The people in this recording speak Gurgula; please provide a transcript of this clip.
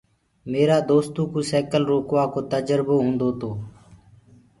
ميرآ دوستو ڪوُ سيڪل روڪوآ ڪو تجربو هوُندو تو۔